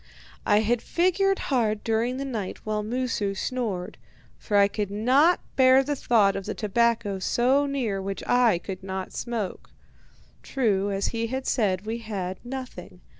"I figured hard during the night while Moosu snored, for I could not bear the thought of the tobacco so near which I could not smoke. True, as he had said, we had nothing.